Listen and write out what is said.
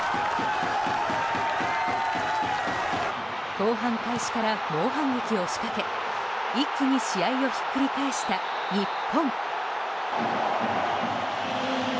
後半開始から猛反撃を仕掛け一気に試合をひっくり返した日本。